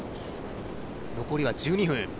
残りは１２分。